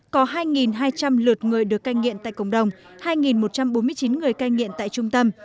có hai hai trăm linh lượt người được cai nghiện tại cộng đồng hai một trăm bốn mươi chín người cai nghiện tại trung tâm